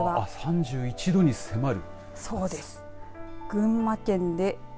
３１度に迫る。